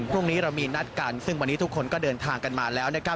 พรุ่งนี้เรามีนัดกันซึ่งวันนี้ทุกคนก็เดินทางกันมาแล้วนะครับ